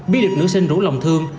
biết được nữ sinh rủ lòng thương